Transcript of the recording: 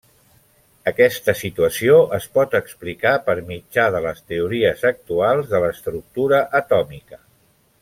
Aquesta situació es pot explicar per mitjà de les teories actuals de l'estructura atòmica.